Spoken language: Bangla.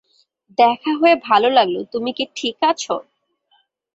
দেখা হয়ে ভালো লাগলো তুমি কি ঠিক আছো?